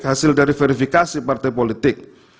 hasil dari verifikasi partai politik